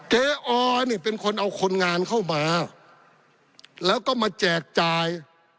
เออนี่เป็นคนเอาคนงานเข้ามาแล้วก็มาแจกจ่าย